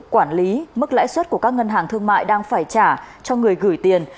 quản lý mức lãi suất của các ngân hàng thương mại đang phải trả cho người gửi tiền